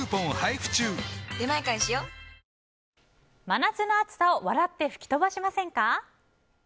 真夏の暑さを笑って吹き飛ばしませんか？